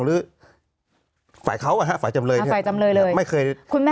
หรือฝ่ายเขาอะฮะฝ่ายจำเลยฝ่ายจำเลยไม่เคย